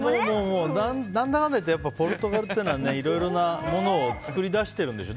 何だかんだいってポルトガルというのはいろいろなものを作り出してるんですよ。